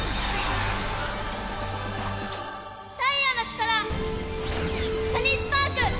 太陽の力サニースパーク！